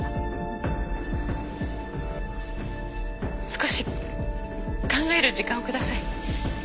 少し考える時間を下さい。